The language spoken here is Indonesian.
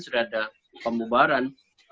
sudah ada pembubaran